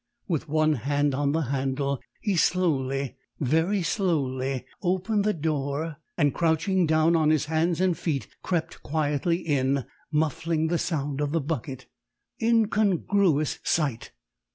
With one hand on the handle, he slowly very slowly opened the door, and crouching down on his hands and feet, crept quietly in, muffling the sound of the bucket. Incongruous sight!